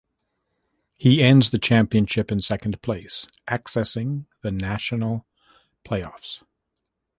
He ends the championship in second place, accessing the national playoffs.